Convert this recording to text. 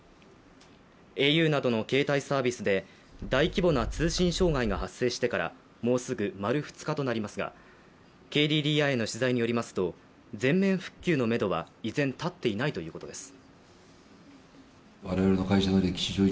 ａｕなどの携帯サービスで大規模な通信障害が発生してからもうすぐ丸２日となりますがＫＤＤＩへの取材によりますと全面復旧のめどは依然立っていないということです。